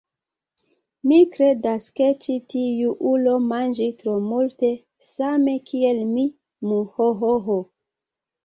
Mi kredas ke ĉi tiu ulo manĝi tro multe same kiel mi muhohoho